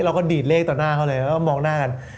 เราก็ดีดเลขต่อหน้าเขาเลยแล้วก็มองหน้ากัน